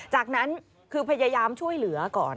จากนั้นคือพยายามช่วยเหลือก่อน